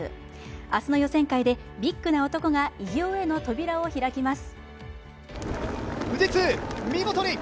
明日の予選会でビッグな男が偉業への扉を開きます。